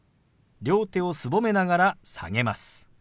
両手をすぼめながら下げます。